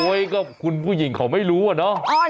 ก็คุณผู้หญิงเขาไม่รู้อะเนาะ